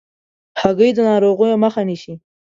هګۍ د ناروغیو مخه نیسي.